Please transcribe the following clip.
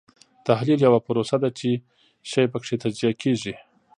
تحلیل یوه پروسه ده چې شی پکې تجزیه کیږي.